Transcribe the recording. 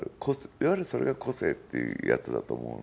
いわゆるそれが個性ってやつだと思うの。